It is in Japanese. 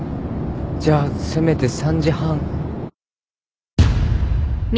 じゃあせめて３時半。